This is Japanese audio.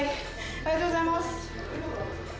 ありがとうございます。